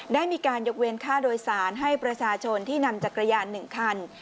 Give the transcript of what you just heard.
ได้มีการยกเว้นค่าโดยสารให้ประชาชนที่นำจักรยาน๑คัน